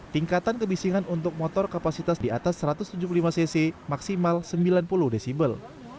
tingkatan kebisingan untuk motor kapasitas di atas satu ratus tujuh puluh lima cc maksimal sembilan puluh decibel